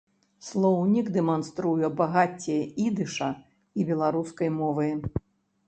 Слоўнік дэманструе багацце ідыша і беларускай мовы.